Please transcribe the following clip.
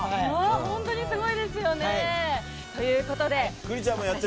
本当にすごいですよね。ということで。